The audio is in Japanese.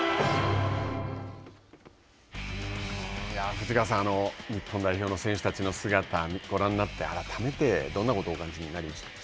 藤川さん日本代表の選手たちの姿ご覧になって、改めてどんなことをお感じになりましたか。